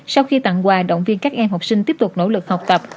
sau khi tặng quà động viên các em học sinh tiếp tục nỗ lực học tập